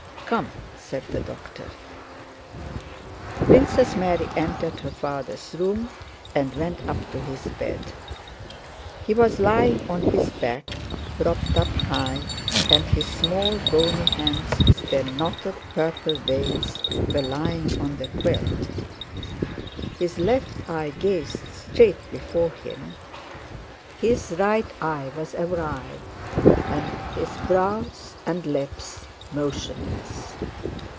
"Come," said the doctor. Princess Mary entered her father's room and went up to his bed. He was lying on his back propped up high, and his small bony hands with their knotted purple veins were lying on the quilt; his left eye gazed straight before him, his right eye was awry, and his brows and lips motionless.